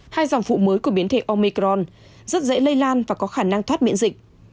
hai dòng phụ mới của biến thể omicron rất dễ lây lan và có khả năng thoát miễn dịch